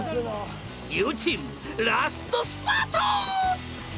両チームラストスパート！